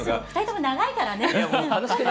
２人とも長いからね。